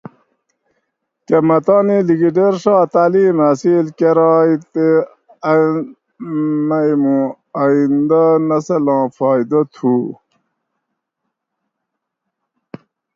کہ مہ تانی لِکیٹیر ڛا تعلیم حاصل کرائے تہ ان مئی مُوں آئیندہ نسلاں فائیدہ تُھو